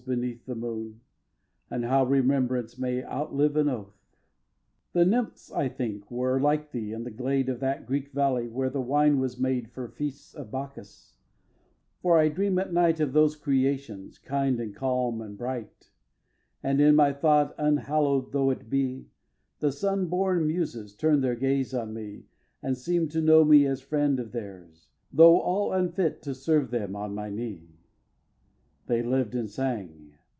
beneath the moon, And how Remembrance may outlive an oath. x. The nymphs, I think, were like thee in the glade Of that Greek valley where the wine was made For feasts of Bacchus; for I dream at night Of those creations, kind and calm and bright; And in my thought, unhallow'd though it be, The sun born Muses turn their gaze on me, And seem to know me as a friend of theirs, Though all unfit to serve them on my knee. xi. They lived and sang.